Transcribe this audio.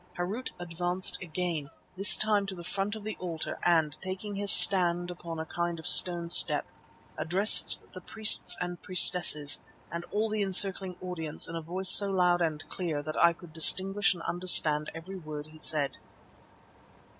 Harût advanced again, this time to the front of the altar, and, taking his stand upon a kind of stone step, addressed the priests and priestesses and all the encircling audience in a voice so loud and clear that I could distinguish and understand every word he said.